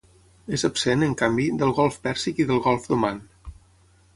És absent, en canvi, del golf Pèrsic i del golf d'Oman.